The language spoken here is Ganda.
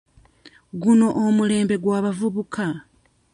Guno omulembe gw'abavubuka.